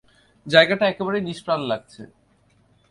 জায়গাটা একেবারেই নিষ্প্রাণ লাগছে।